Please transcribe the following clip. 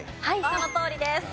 そのとおりです。